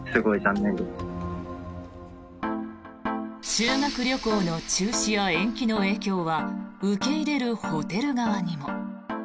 修学旅行の中止や延期の影響は受け入れるホテル側にも。